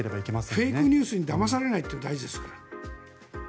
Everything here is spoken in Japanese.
フェイクニュースにだまされないって大事ですよ。